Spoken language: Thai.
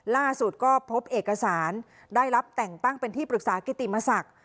ล่าสุดก็พบเอกสารได้รับแต่งตั้งเป็นที่ปรึกษากิติมศักดิ์